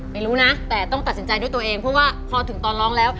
ไม่รู้นะแต่ต้องตัดสินใจด้วยตัวเองเพราะว่าพอถึงตอนร้องแล้ว